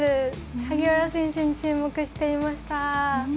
萩原選手に注目していました。